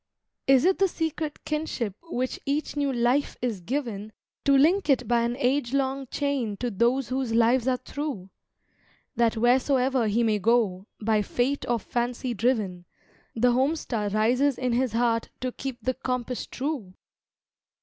Is it the secret kinship which each new life is given To link it by an age long chain to those whose lives are through, That wheresoever he may go, by fate or fancy driven, The home star rises in his heart to keep the compass true?